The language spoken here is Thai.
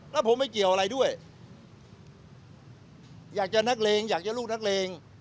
แล้วผมไม่เกี่ยวอะไรด้วยอยากจะนักเลงอยากจะลูกนักเลง